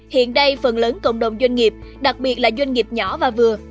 hiện đây phần lớn cộng đồng doanh nghiệp đặc biệt là doanh nghiệp nhỏ và vừa